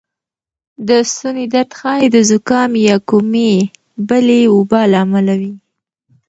د ستونې درد ښایې د زکام یا کومې بلې وبا له امله وې